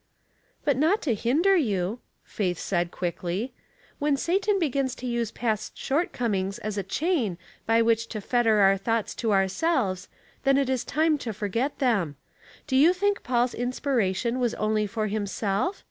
"But not to hinder you," Faith said, quickly, " When Satan begins to use past shortcomings as a chain by which to fetter our thoughts to ourselves, then it is time to forget them. Do you think Paul's inspiration was only for him self?